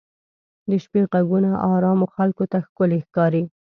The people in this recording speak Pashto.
د شپې ږغونه ارامو خلکو ته ښکلي ښکاري.